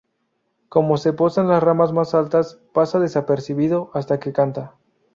Como se posa en las ramas más altas, pasa desapercibido hasta que canta.